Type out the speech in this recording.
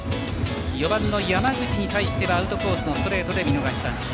４番の山口に対してはアウトコースのストレートで見逃しの三振。